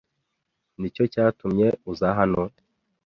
Nicyo cyatumye uza hano?